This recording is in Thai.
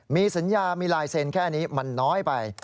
มีสัญญามีลายเซ็นต์แค่นี้มันน้อยไป